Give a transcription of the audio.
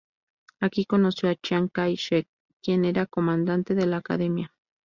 Aquí conoció a Chiang Kai-shek, quien era comandante de la Academia.